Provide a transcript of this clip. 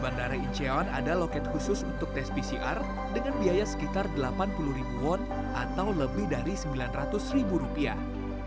bandara incheon ada loket khusus untuk tes pcr dengan biaya sekitar delapan puluh ribu won atau lebih dari sembilan ratus ribu rupiah